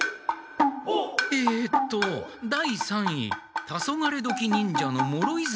えっと「第三位タソガレドキ忍者の諸泉尊奈門。